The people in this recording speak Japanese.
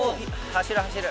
走る走る！